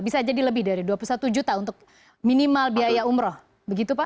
bisa jadi lebih dari dua puluh satu juta untuk minimal biaya umroh begitu pak